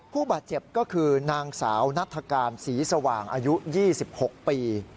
ผู้บาดเจ็บก็คือนางสาวนัฐกาลศรีสว่างอายุ๒๖ปี